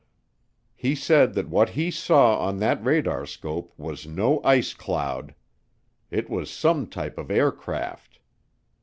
He said that what he saw on that radarscope was no ice cloud; it was some type of aircraft.